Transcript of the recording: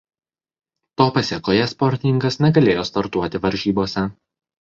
To pasekoje sportininkas negalėjo startuoti varžybose.